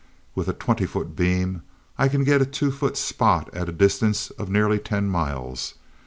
With a twenty foot beam, I can get a two foot spot at a distance of nearly ten miles!